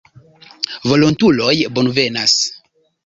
Volontuloj bonvenas.